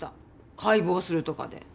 解剖するとかで。